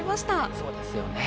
そうですよね。